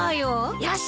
よし！